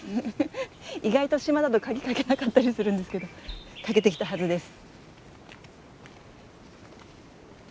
意外と島だとカギ掛けなかったりするんですけど掛けてきたはずです。